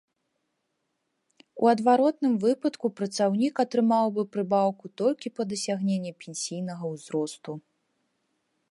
У адваротным выпадку працаўнік атрымаў бы прыбаўку толькі па дасягненні пенсійнага ўзросту.